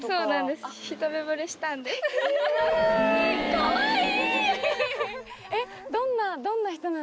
かわいい！